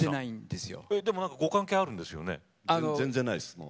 ご関係あるんですよね。